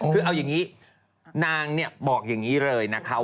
คือเอาอย่างนี้นางเนี่ยบอกอย่างนี้เลยนะคะ